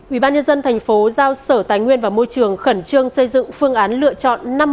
ubnd thành phố giao sở tài nguyên và môi trường khẩn trương xây dựng phương án lựa chọn